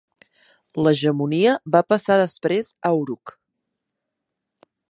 L'hegemonia va passar després a Uruk.